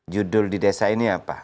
judul di desa ini apa